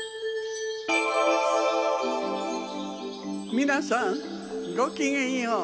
みなさんごきげんよう。